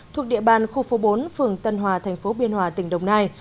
thuộc địa bàn khu phố bốn phường tân hòa thành phố biên hòa tỉnh đồng nai